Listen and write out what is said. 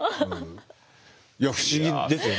いや不思議ですよね。